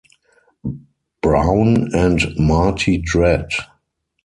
Brown, and Marty Dread.